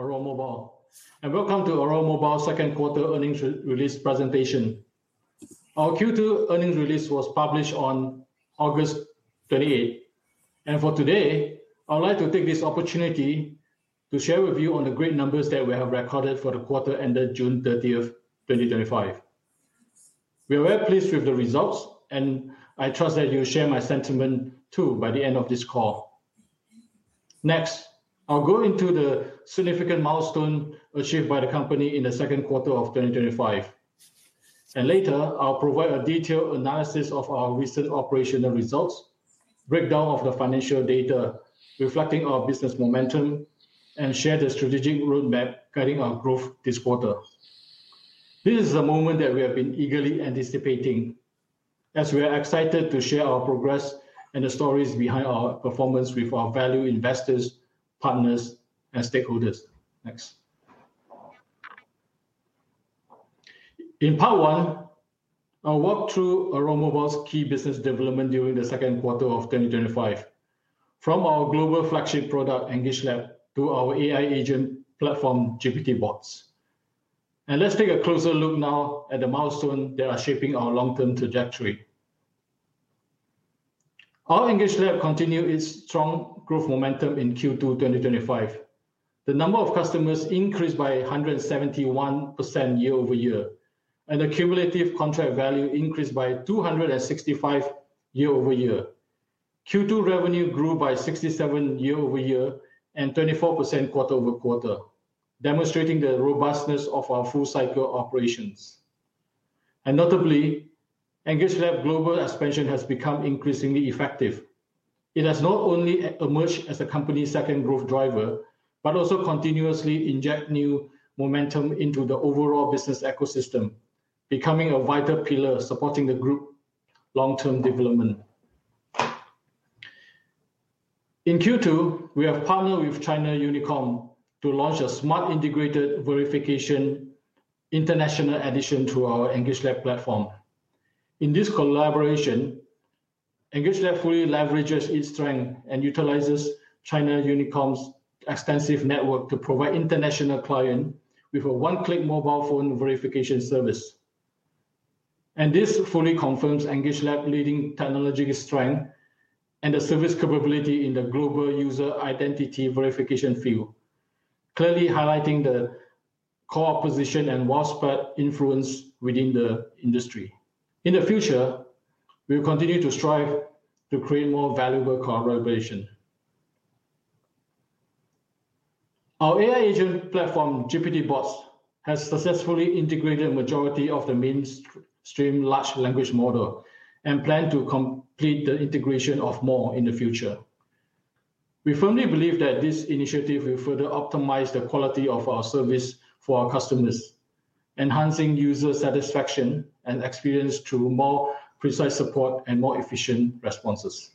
Aurora Mobile. Welcome to Aurora Mobile's second quarter earnings release presentation. Our Q2 earnings release was published on August 28. For today, I would like to take this opportunity to share with you the great numbers that we have recorded for the quarter ended June 30, 2025. We are very pleased with the results, and I trust that you will share my sentiment, too, by the end of this call. Next, I'll go into the significant milestones achieved by the company in the second quarter of 2025. Later, I'll provide a detailed analysis of our recent operational results, a breakdown of the financial data reflecting our business momentum, and share the strategic roadmap guiding our growth this quarter. This is a moment that we have been eagerly anticipating, as we are excited to share our progress and the stories behind our performance with our valued investors, partners, and stakeholders. Next, in part one, I'll walk through Aurora Mobile's key business development during the second quarter of 2025. From our global flagship product, EngageLab, to our AI agent platform, GPT-Bots, let's take a closer look now at the milestones that are shaping our long-term trajectory. Our EngageLab continues its strong growth momentum in Q2 2025. The number of customers increased by 171% year-over-year, and the cumulative contract value increased by 265% year-over-year. Q2 revenue grew by 67% year-over-year and 24% quarter-over-quarter, demonstrating the robustness of our full-cycle operations. Notably, EngageLab's global expansion has become increasingly effective. It has not only emerged as the company's second growth driver, but also continuously injects new momentum into the overall business ecosystem, becoming a vital pillar supporting the group's long-term development. In Q2, we have partnered with China Unicom to launch a smart integrated verification international addition to our EngageLab platform. In this collaboration, EngageLab fully leverages its strengths and utilizes China Unicom's extensive network to provide international clients with a one-click mobile phone verification service. This fully confirms EngageLab's leading technological strengths and the service capability in the global user identity verification field, clearly highlighting the core position and widespread influence within the industry. In the future, we will continue to strive to create more valuable collaboration. Our AI agent platform, GPT-Bots, has successfully integrated the majority of the mainstream large language model and plans to complete the integration of more in the future. We firmly believe that this initiative will further optimize the quality of our service for our customers, enhancing user satisfaction and experience through more precise support and more efficient responses.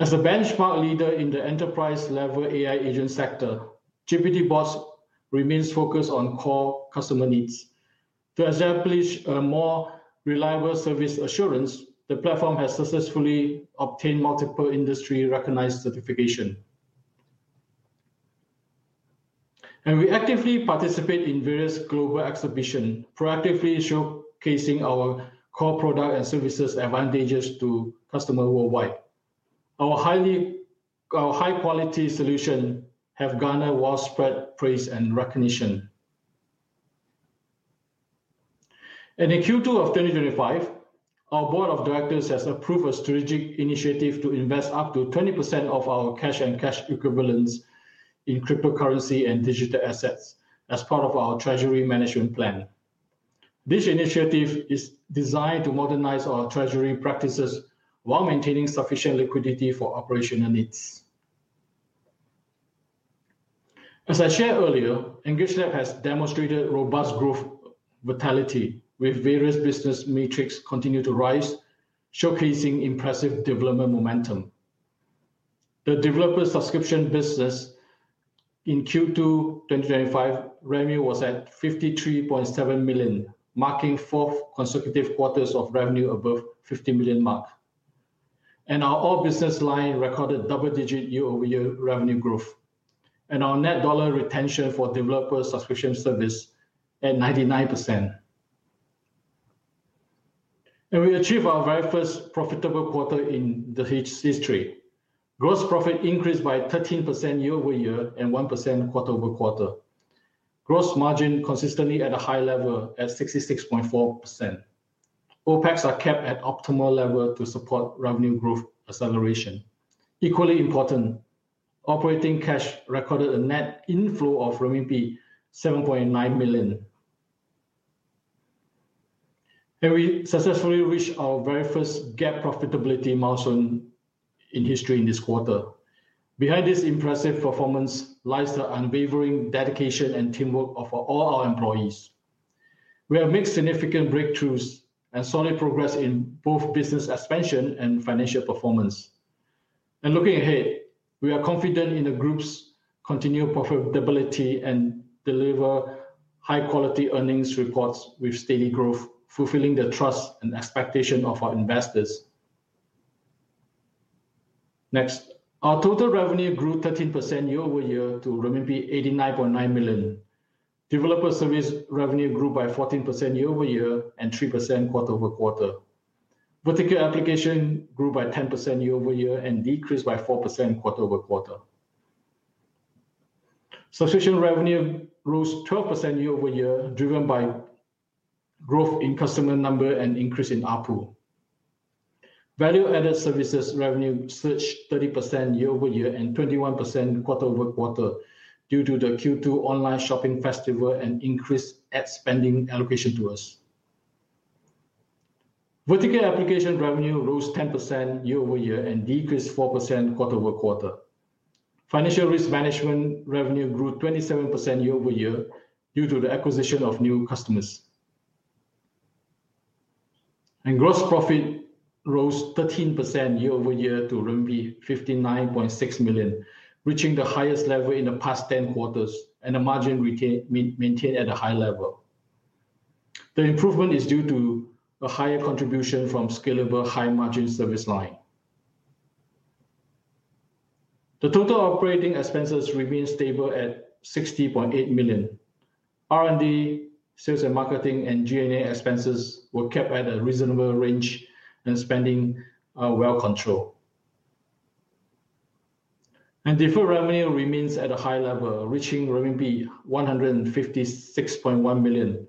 As a benchmark leader in the enterprise-level AI agent sector, GPT-Bots remains focused on core customer needs. To establish a more reliable service assurance, the platform has successfully obtained multiple industry-recognized certifications. We actively participate in various global exhibitions, proactively showcasing our core product and services' advantages to customers worldwide. Our high-quality solutions have garnered widespread praise and recognition. In Q2 of 2025, our board of directors has approved a strategic initiative to invest up to 20% of our cash and cash equivalents in cryptocurrency and digital assets as part of our treasury management plan. This initiative is designed to modernize our treasury practices while maintaining sufficient liquidity for operational needs. As I shared earlier, EngageLab has demonstrated robust growth vitality, with various business metrics continuing to rise, showcasing impressive development momentum. The developer subscription business in Q2 2025 revenue was at 53.7 million, marking four consecutive quarters of revenue above the 50 million mark. Our all-business line recorded double-digit year-over-year revenue growth. Our net dollar retention for developer subscription service at 99%. We achieved our very first profitable quarter in the history. Gross profit increased by 13% year-over-year and 1% quarter-over-quarter. Gross margin consistently at a high level at 66.4%. OpEx is kept at optimal levels to support revenue growth acceleration. Equally important, operating cash recorded a net inflow of RMB 7.9 million. We successfully reached our very first GAAP profitability milestone in history in this quarter. Behind this impressive performance lies the unwavering dedication and teamwork of all our employees. We have made significant breakthroughs and solid progress in both business expansion and financial performance. Looking ahead, we are confident in the group's continued profitability and deliver high-quality earnings reports with steady growth, fulfilling the trust and expectations of our investors. Next, our total revenue grew 13% year-over-year to RMB 89.9 million. Developer service revenue grew by 14% year-over-year and 3% quarter-over-quarter. Boutique applications grew by 10% year-over-year and decreased by 4% quarter-over-quarter. Subscription revenue rose 12% year-over-year, driven by growth in customer numbers and increase in OPW. Value-added services revenue surged 30% year-over-year and 21% quarter-over-quarter due to the Q2 online shopping festival and increased ad spending allocation to us. Boutique application revenue rose 10% year-over-year and decreased 4% quarter-over-quarter. Financial risk management revenue grew 27% year-over-year due to the acquisition of new customers. Gross profit rose 13% year-over-year to RMB 59.6 million, reaching the highest level in the past 10 quarters, and the margin maintained at a high level. The improvement is due to a higher contribution from scalable high-margin service line. The total operating expenses remain stable at 60.8 million. R&D, sales and marketing, and G&A expenses were kept at a reasonable range, and spending is well controlled. Deferred revenue remains at a high level, reaching RMB 156.1 million.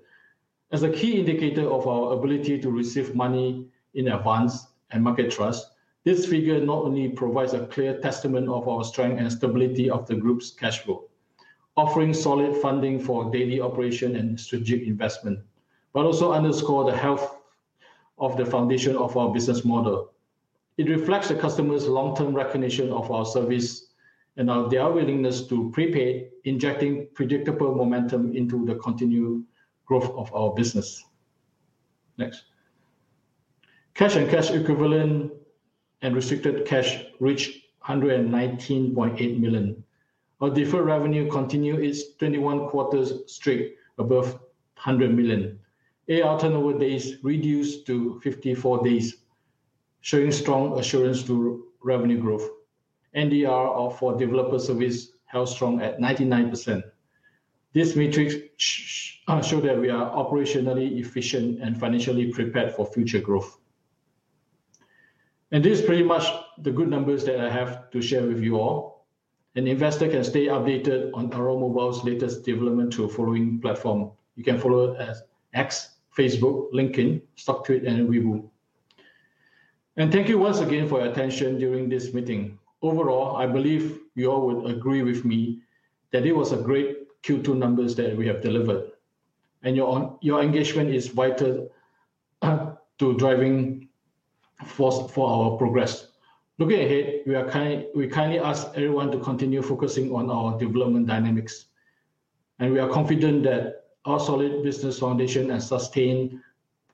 As a key indicator of our ability to receive money in advance and market trust, this figure not only provides a clear testament of our strength and stability of the group's cash flow, offering solid funding for daily operations and strategic investment, but also underscores the health of the foundation of our business model. It reflects the customers' long-term recognition of our service and their willingness to prepay, injecting predictable momentum into the continued growth of our business. Next, cash and cash equivalents and restricted cash reached 119.8 million. Our deferred revenue continues its 21 quarters straight above 100 million. AR turnover days reduced to 54 days, showing strong assurance to revenue growth. NDR for developer service held strong at 99%. This metric shows that we are operationally efficient and financially prepared for future growth. These are pretty much the good numbers that I have to share with you all. An investor can stay updated on Aurora Mobile's latest development through the following platforms. You can follow us at X, Facebook, LinkedIn, StockTrade, and Weibo. Thank you once again for your attention during this meeting. Overall, I believe you all would agree with me that it was a great Q2 numbers that we have delivered. Your engagement is vital to driving force for our progress. Looking ahead, we kindly ask everyone to continue focusing on our development dynamics. We are confident that our solid business foundation has sustained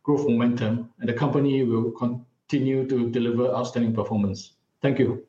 growth momentum, and the company will continue to deliver outstanding performance. Thank you.